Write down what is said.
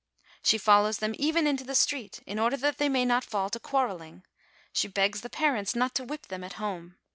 She follows them even into the street, in order that they may not fall to quarrelling. She begs the parents not to whip them at home.